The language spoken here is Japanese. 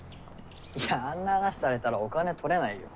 いやあんな話されたらお金取れないよ。